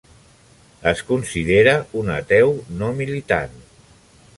Es considera un "ateu no militant".